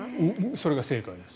それが正解です。